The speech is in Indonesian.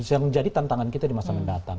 yang menjadi tantangan kita di masa mendatang